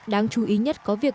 đáng chú ý nhất có việc